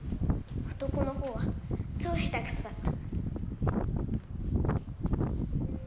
男の方は超下手くそだった。